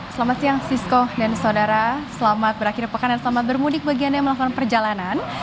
selamat siang sisko dan saudara selamat berakhir pekan dan selamat bermudik bagi anda yang melakukan perjalanan